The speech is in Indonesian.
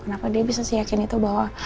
kenapa dia bisa sih yakin itu bahwa